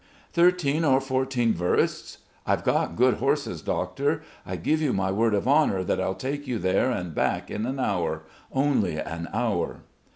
"Thirteen or fourteen versts. I've got good horses, doctor. I give you my word of honour that I'll take you there and back in an hour. Only an hour."